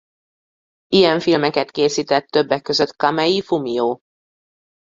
Ilyen filmeket készített többek között Kamei Fumio.